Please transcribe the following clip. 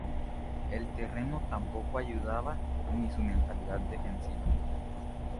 El terreno tampoco ayudaba ni su mentalidad defensiva.